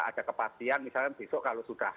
ada kepastian misalnya besok kalau sudah